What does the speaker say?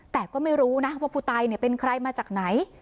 แต่ก็ไม่รู้นะว่าผู้ตายเป็นใครมาจากไหน